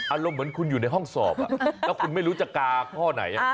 อารมณ์เหมือนคุณอยู่ในห้องสอบแล้วคุณไม่รู้จะกาข้อไหน